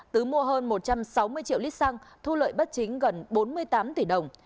tứ mua hơn một trăm sáu mươi triệu lít xăng thu lợi bất chính gần bốn mươi tám tỷ đồng